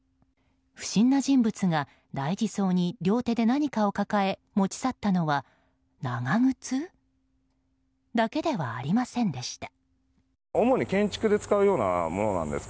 不審な人物が大事そうに両手で何かを抱えて持ち去ったのは長靴？だけではありませんでした。